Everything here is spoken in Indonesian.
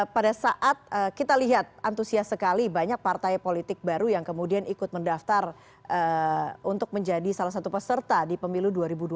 pada saat kita lihat antusias sekali banyak partai politik baru yang kemudian ikut mendaftar untuk menjadi salah satu peserta di pemimpinan